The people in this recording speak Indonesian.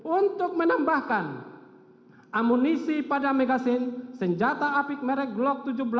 untuk menambahkan amunisi pada megasin senjata apik merek glock tujuh belas